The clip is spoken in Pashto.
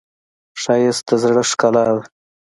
ښایست د زړه ښکلا ده